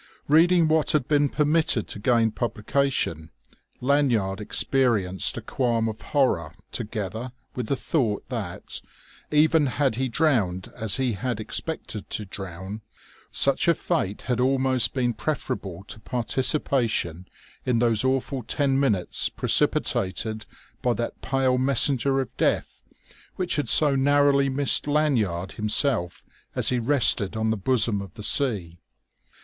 Reading what had been permitted to gain publication, Lanyard experienced a qualm of horror together with the thought that, even had he drowned as he had expected to drown, such a fate had almost been preferable to participation in those awful ten minutes precipitated by that pale messenger of death which had so narrowly missed Lanyard himself as he rested on the bosom of the sea.